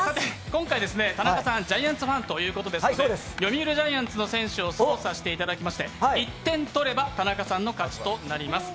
今回は田中さん、ジャイアンツファンということで読売ジャイアンツの選手を操作していただきまして、１点取れば、田中さんの勝ちとなります。